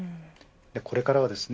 これからはですね